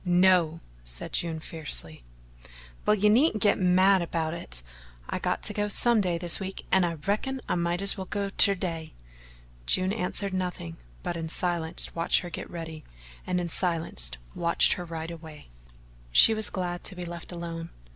"No," said June fiercely. "Well, you needn't git mad about it I got to go some day this week, and I reckon I might as well go ter day." June answered nothing, but in silence watched her get ready and in silence watched her ride away. She was glad to be left alone.